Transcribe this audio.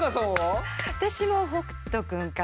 私も北斗君かな。